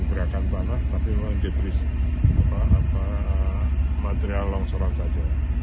gerakan tanah tapi memang diberi material longsoran saja